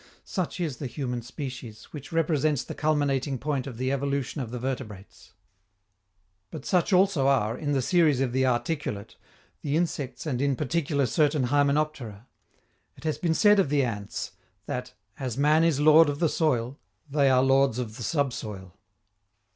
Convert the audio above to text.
Such is the human species, which represents the culminating point of the evolution of the vertebrates. But such also are, in the series of the articulate, the insects and in particular certain hymenoptera. It has been said of the ants that, as man is lord of the soil, they are lords of the sub soil.